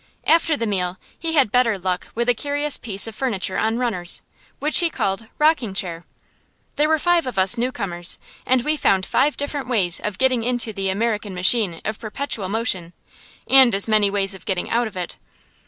After the meal, he had better luck with a curious piece of furniture on runners, which he called "rocking chair." There were five of us newcomers, and we found five different ways of getting into the American machine of perpetual motion, and as many ways of getting out of it.